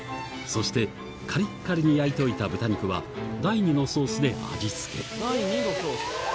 そしてカリッカリに焼いておいた豚肉は第２のソースで味付け第２のソース。